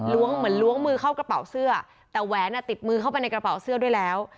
เหมือนล้วงมือเข้ากระเป๋าเสื้อแต่แหวนติดมือเข้าไปในกระเป๋าเสื้อด้วยแล้ว